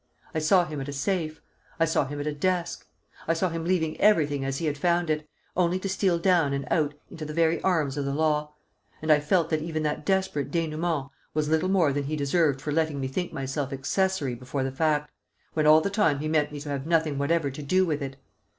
I saw him at a safe. I saw him at a desk. I saw him leaving everything as he had found it, only to steal down and out into the very arms of the law. And I felt that even that desperate dénouement was little more than he deserved for letting me think myself accessory before the fact, when all the time he meant me to have nothing whatever to do with it!